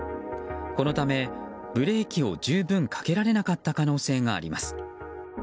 このためブレーキを十分かけられなかった可能性があります。